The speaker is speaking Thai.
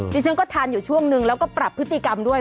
ดิฉันก็ทานอยู่ช่วงนึงแล้วก็ปรับพฤติกรรมด้วย